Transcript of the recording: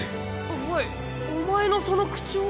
おいお前のその口調。